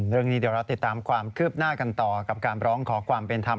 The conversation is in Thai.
เรื่องนี้เดี๋ยวเราติดตามความคืบหน้ากันต่อกับการร้องขอความเป็นธรรม